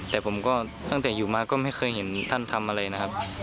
แต่ผมก็ตั้งแต่อยู่มาก็ไม่เคยเห็นท่านทำอะไรนะครับ